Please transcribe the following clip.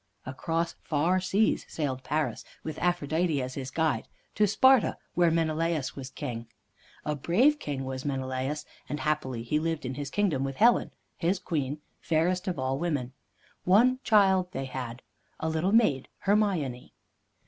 Across far seas sailed Paris, with Aphrodite as his guide, to Sparta, where Menelaus was king. A brave king was Menelaus, and happily he lived in his kingdom with Helen, his queen, fairest of all women. One child they had, a little maid, Hermione.